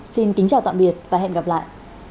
xin kính chào tạm biệt và hẹn gặp lại